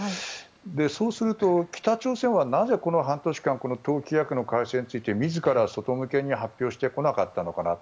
そうすると、北朝鮮はなぜこの半年間党規約の改正について自ら外向けに発表してこなかったのかなと。